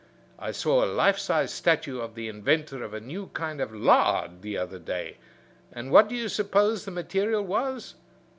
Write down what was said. I saw a life size statue of the inventor of a new kind of lard the other day, and what do you suppose the material was?